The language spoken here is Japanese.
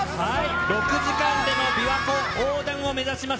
６時間後でのびわ湖横断を目指します。